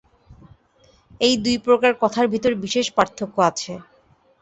এই দুই প্রকার কথার ভিতর বিশেষ পার্থক্য আছে।